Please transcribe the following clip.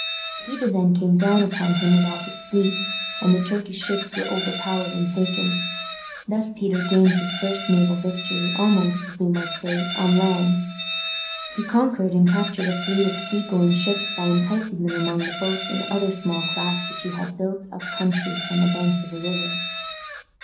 Peter then came down upon him with all his fleet, and the Turkish ships were overpowered and taken. Thus Peter gained his first naval victory almost, as we might say, on the land. He conquered and captured a fleet of sea going ships by enticing them among the boats and other small craft which he had built up country on the banks of a river.